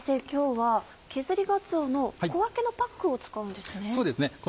今日は削りがつおの小分けのパックを使うんですね。